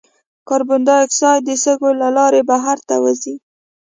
کاربن ډای اکساید د سږو له لارې بهر ته وځي.